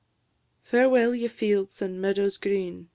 Farewell, ye fields an' meadows green!